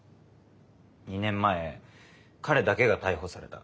２年前彼だけが逮捕された。